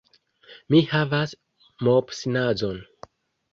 Mi havas mopsnazon.